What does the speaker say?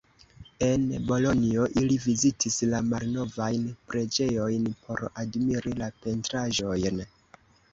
En Bolonjo ili vizitis la malnovajn preĝejojn por admiri la pentraĵojn.